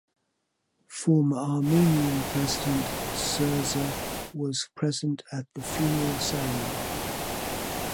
Former Armenian President Serzh Sargsyan was present at the funeral ceremony.